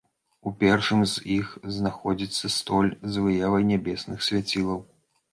У першым з іх знаходзіцца столь з выявай нябесных свяцілаў.